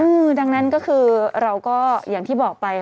อืมดังนั้นก็คือเราก็อย่างที่บอกไป